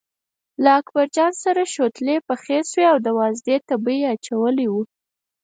له اکبرجان کره شوتلې پخې شوې او د وازدې تبی یې اچولی و.